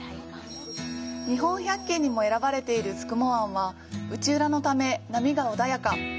「日本百景」にも選ばれている九十九湾は、内浦のため波が穏やか。